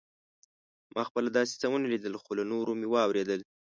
ما خپله داسې څه ونه لیدل خو له نورو مې واورېدل.